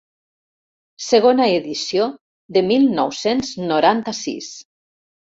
Segona edició de mil nou-cents noranta-sis.